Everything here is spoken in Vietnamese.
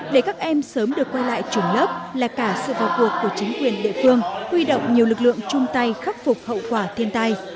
để các em sớm được quay lại trường lớp là cả sự vào cuộc của chính quyền địa phương huy động nhiều lực lượng chung tay khắc phục hậu quả thiên tai